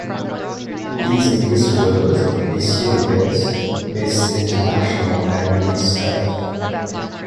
These are Miss World, Miss Universe, Miss International and Miss Earth.